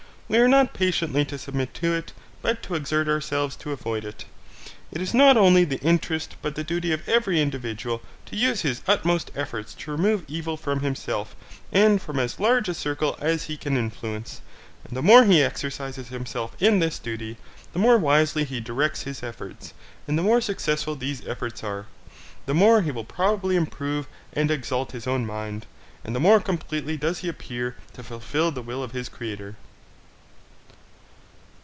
We are not patiently to submit to it, but to exert ourselves to avoid it. It is not only the interest but the duty of every individual to use his utmost efforts to remove evil from himself and from as large a circle as he can influence, and the more he exercises himself in this duty, the more wisely he directs his efforts, and the more successful these efforts are; the more he will probably improve and exalt his own mind, and the more completely does he appear to fulfil the will of his Creator.